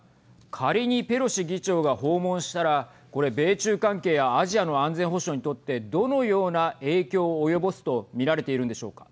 仮にペロシ議長が訪問したらこれ米中関係やアジアの安全保障にとってどのような影響を及ぼすと見られているんでしょうか。